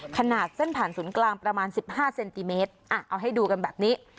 ขนาดเส้นผ่านศูนย์กลางประมาณ๑๕เซนติเมตรเอาให้ดูกันแบบนี้